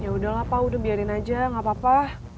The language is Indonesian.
yaudahlah pa udah biarin aja ga apa apa